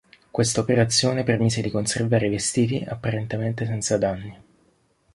Questa operazione permise di conservare i vestiti apparentemente senza danni.